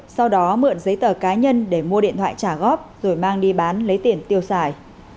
sau đó mượn giấy tờ cá nhân để mua điện thoại trả góp rồi mang đi bán lấy tiền tiêu xài